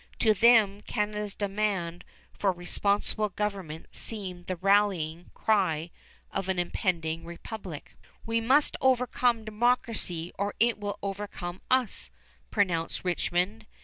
To them Canada's demand for responsible government seemed the rallying cry of an impending republic. "We must overcome democracy or it will overcome us," pronounced Richmond.